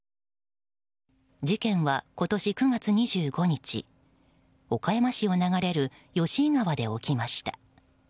事件は、今年９月２５日岡山市を流れる吉井川で起きました。